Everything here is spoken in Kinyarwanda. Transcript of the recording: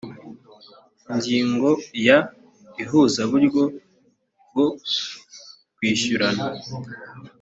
ingingo ya ihuzaburyo bwo kwishyurana